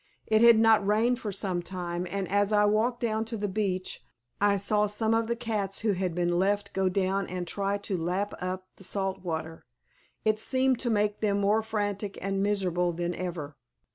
It had not rained for some time and, as I walked down to the beach, I saw some of the cats who had been left go down and try to lap up the salt water. It seemed to make them more frantic and miserable than ever.